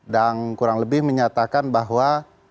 dan kurang lebih menyatakan bahwa